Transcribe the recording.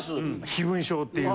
飛蚊症っていう。